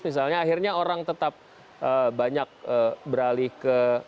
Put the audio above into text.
misalnya akhirnya orang tetap banyak beralih ke